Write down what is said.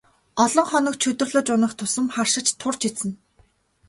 Олон хоног чөдөрлөж унах тусам харшиж турж эцнэ.